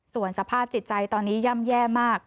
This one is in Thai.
ส่วนสภาพจิตใจตอนนี้ย่ำแย่มาก